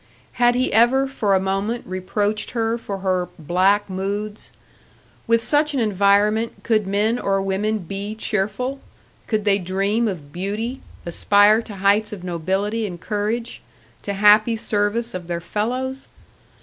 Had he ever for a moment reproached her for her "black moods"? With such an environment could men or women be cheerful could they dream of beauty, aspire to heights of nobility and courage, to happy service of their fellows?